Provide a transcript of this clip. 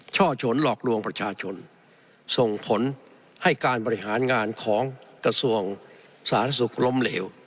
ช่อฉนหลอกลวงประชาชนส่งผลให้การบริหารงานของกระทรวงสาธารณสุขล้มเหลว